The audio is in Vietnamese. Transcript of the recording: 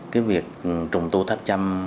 cái việc trùng tu tháp châm